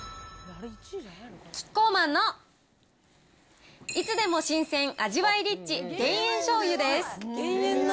キッコーマンのいつでも新鮮味わいリッチ減塩しょうゆです。